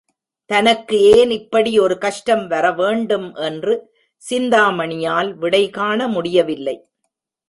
தனக்கு ஏன் இப்படி ஒரு கஷ்டம் வரவேண்டும் என்று சிந்தாமணியால் விடை காண முடியவில்லை.